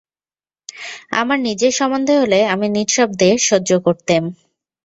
আমার নিজের সম্মন্ধে হলে আমি নিঃশব্দে সহ্য করতেম।